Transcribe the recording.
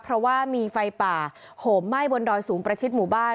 เพราะว่ามีไฟป่าโหมไหม้บนดอยสูงประชิดหมู่บ้าน